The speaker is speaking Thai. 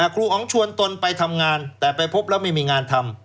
ครูอ๋องชวนตนไปทำงานแต่ไปพบแล้วไม่มีงานทำ